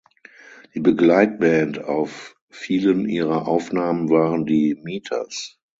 Die Begleitband auf vielen ihrer Aufnahmen waren die Meters.